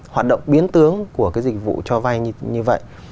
hoạt động biến tướng của cái dịch vụ cho vay như vậy